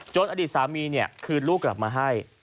จนอดีตสามีเนี่ยคืนลูกกลับมาให้